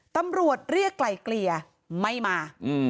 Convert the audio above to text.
ตำรวจเรียกไกลเกลี่ยไม่มา